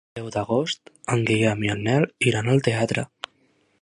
El deu d'agost en Guillem i en Nel iran al teatre.